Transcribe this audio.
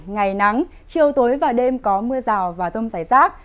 ngày nắng chiều tối và đêm có mưa rào và rông rải rác